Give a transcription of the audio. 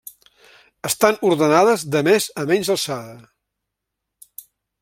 Estan ordenades de més a menys alçada.